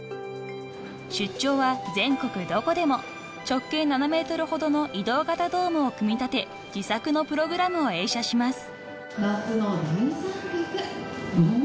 ［直径７ｍほどの移動型ドームを組み立て自作のプログラムを映写します］